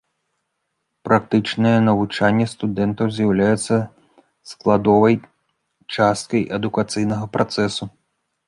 Практычнае навучанне студэнтаў з'яўляецца складовай часткай адукацыйнага працэсу.